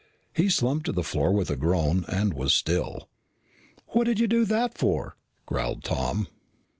He slumped to the floor with a groan and was still. "What did you do that for?" growled Tom.